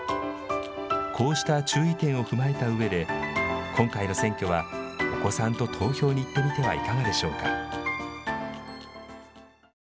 こうした注意点を踏まえたうえで今回の選挙はお子さんと投票に行ってみてはいかがでしょうか。